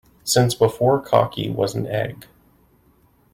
Since before cocky was an egg.